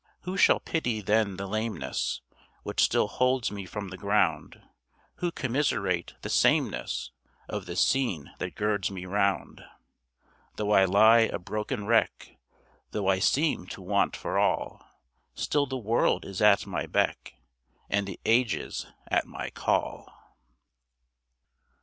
Who shall pity then the lameness, Which still holds me from the ground? Who commiserate the sameness Of the scene that girds me round? Though I lie a broken wreck, Though I seem to want for all, Still the world is at my beck And the ages at my call.